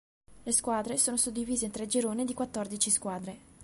Le squadre sono suddivise in tre gironi di quattordici squadre.